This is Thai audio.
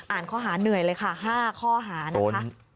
ข้อหาเหนื่อยเลยค่ะ๕ข้อหานะคะ